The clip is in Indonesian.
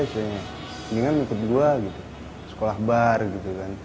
sebaiknya ikut gue gitu sekolah bar gitu kan